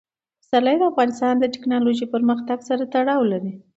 پسرلی د افغانستان د تکنالوژۍ پرمختګ سره تړاو لري.